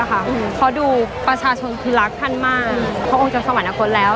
เขาดูประชาชนคือรักท่านมากพระองค์จะสวรรคตแล้ว